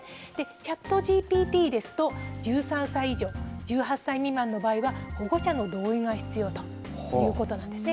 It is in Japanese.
ＣｈａｔＧＰＴですと１３歳以上、１８歳未満の場合は、保護者の同意が必要ということなんですね。